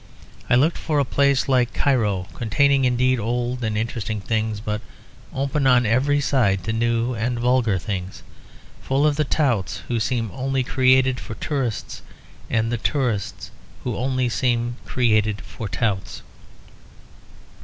I looked for a place like Cairo, containing indeed old and interesting things, but open on every side to new and vulgar things; full of the touts who seem only created for the tourists and the tourists who seem only created for the touts.